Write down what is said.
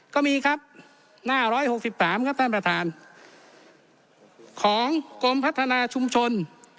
ก็มีครับหน้า๑๖๓ครับท่านประธานของกรมพัฒนาชุมชน